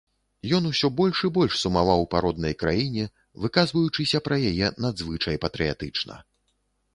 Ён усё больш і больш сумаваў па роднай краіне, выказваючыся пра яе надзвычай патрыятычна.